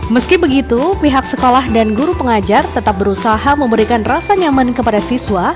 meski begitu pihak sekolah dan guru pengajar tetap berusaha memberikan rasa nyaman kepada siswa